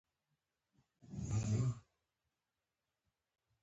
دا د اوسني فلسطین لوېدیځ دی.